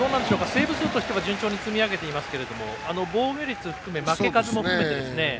セーブ数は順調に積み上げていますが防御率含め、負け数も含めて。